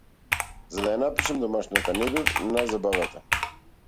За да ја напишам домашната не бев на забавата.